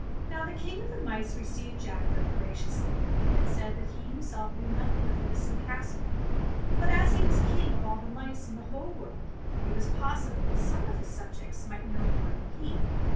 Now the King of the Mice received Jack very graciously, and said that he himself knew nothing of the missing Castle, but, as he was King of all the Mice in the whole world, it was possible that some of his subjects might know more than he.